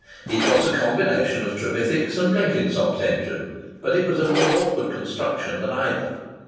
It was a combination of Trevithick's and Blenkinsop's engines; but it was of a more awkward construction than either.